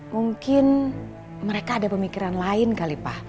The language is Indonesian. mungkin mereka ada pemikiran lain kali pak